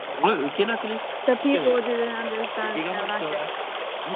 The people did not understand their language.